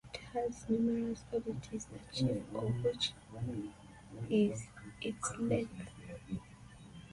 It has numerous oddities, the chief of which is its length.